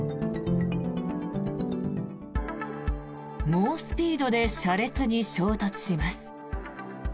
猛スピードで車列に衝突します。